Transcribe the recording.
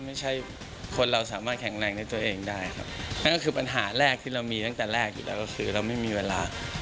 ไม่ใช่คนเราสามารถแข็งแรงในตัวเองได้ครับนั่นก็คือปัญหาแรกที่เรามีตั้งแต่แรกอยู่แล้วก็คือเราไม่มีเวลา